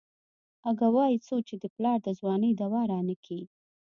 اگه وايي څو چې دې پلار د ځوانۍ دوا رانکي.